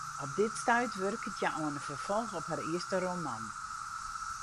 Op dit stuit wurket hja oan in ferfolch op har earste roman.